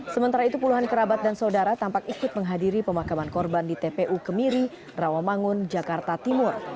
sementara itu puluhan kerabat dan saudara tampak ikut menghadiri pemakaman korban di tpu kemiri rawamangun jakarta timur